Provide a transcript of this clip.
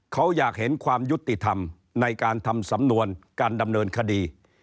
เขาอยากเห็นความยุติธรรมในการทำสำนวนการดำเนินคดี